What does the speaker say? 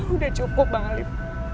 udah cukup bang alif